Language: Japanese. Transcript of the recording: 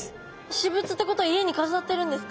私物ってことは家にかざってるんですか？